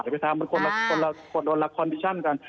เป็นคนละคอนดิชั่นกัน